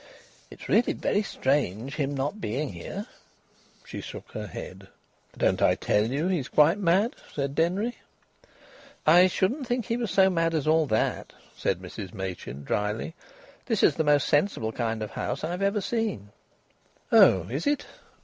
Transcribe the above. "It's really very strange, him not being here." She shook her head. "Don't I tell you he's quite mad," said Denry. "I shouldn't think he was so mad as all that," said Mrs Machin, dryly. "This is the most sensible kind of a house I've ever seen." "Oh! Is it?"